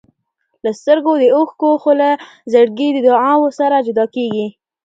له سترګو د اوښکو، خو له زړګي د دعاوو سره جدا کېږم.